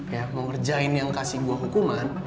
ya mau ngerjain yang kasih gue hukuman